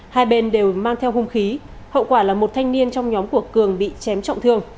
hai bên đều mang theo hung khí hậu quả là một thanh niên trong nhóm của cường bị chém trọng thương